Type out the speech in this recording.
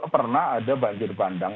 pernah ada banjir bandang